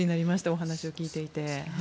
お話を聞いていて。